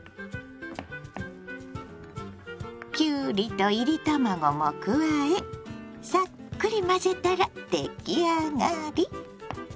きゅうりといり卵も加えさっくり混ぜたら出来上がり。